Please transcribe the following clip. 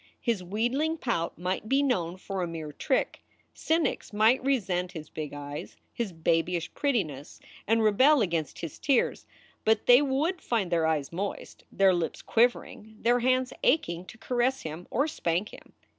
His wheedling pout might be known for a mere trick; cynics might resent his big eyes, his babyish prettiness, and rebel against his tears, but they would find their eyes moist, their lips quivering, their hands aching to caress him or spank him.